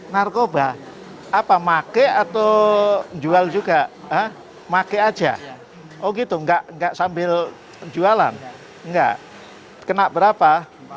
narkoba apa make atau jual juga ah make aja oh gitu enggak enggak sambil jualan enggak kenapa